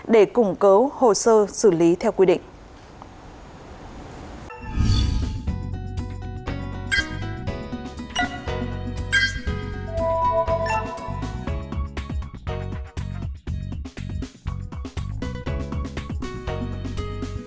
để củng cố hồ sơ xử lý theo quy định